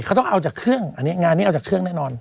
เขาต้องเอาจากเครื่องอันนี้งานนี้เอาจากเครื่องแน่นอน